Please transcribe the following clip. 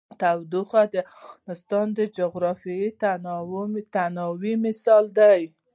تودوخه د افغانستان د جغرافیوي تنوع مثال دی.